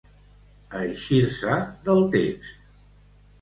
Eixir-se del text.